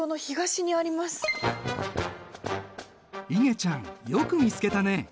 いげちゃんよく見つけたね。